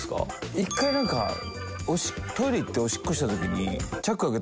１回なんかトイレ行ってオシッコした時に。